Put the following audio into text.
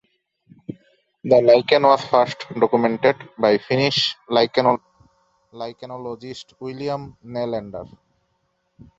The lichen was first documented by Finnish lichenologist William Nylander.